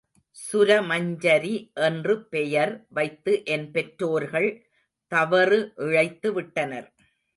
சுரமஞ்சரி என்று பெயர் வைத்து என் பெற்றோர்கள் தவறு இழைத்து விட்டனர்.